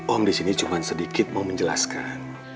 om disini cuma sedikit mau menjelaskan